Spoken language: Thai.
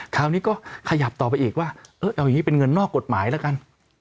คราวนี้ก็ขยับต่อไปอีกว่าเออเอาอย่างนี้เป็นเงินนอกกฎหมายแล้วกัน